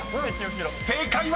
［正解は⁉］